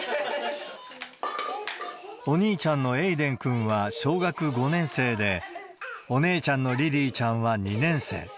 お兄ちゃんのエイデン君は小学５年生で、お姉ちゃんのりりいちゃんは２年生。